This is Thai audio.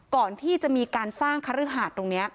ก่อนที่จะมีการสร้างคฤหาสตรงนี้